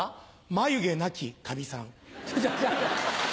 眉毛なきかみさん。